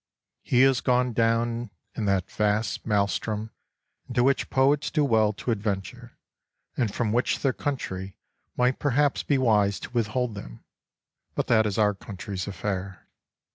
He has gone down in that vast maelstrom into which poets do well to adven ture and from which their country might per haps be wise to withhold them, but that is our Country's affair.